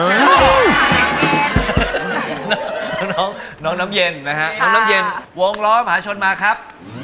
น้องน้ำเย็นน้องน้องน้ำเย็นนะฮะน้องน้ำเย็นวงร้อมหาชนมาครับ